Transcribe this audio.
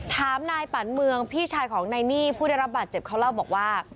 ถามนายปั่นเมืองพี่ชายของนายนี่ผู้ได้รับบาดเจ็บเขาเล่าบอกว่า